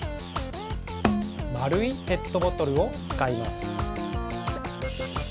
まるいペットボトルをつかいます。